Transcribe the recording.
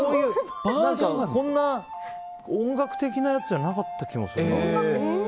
こんな音楽的なやつじゃなかった気もするな。